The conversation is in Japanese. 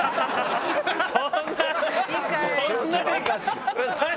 そんな。